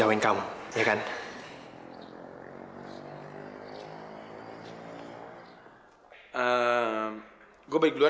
kenapa sih ngomong doang